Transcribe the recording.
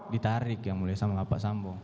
ditarik yang mulia sama pak sambo